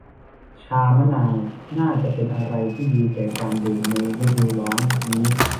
ชามะนาวน่าจะเป็นอะไรที่ดีแก่การดื่มในฤดูร้อนนี้